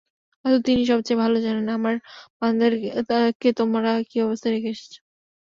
অথচ তিনিই সবচেয়ে ভালো জানেন আমার বান্দাদেরকে তোমরা কী অবস্থায় রেখে এসেছ?